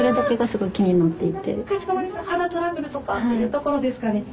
肌トラブルとかっていうところですかね。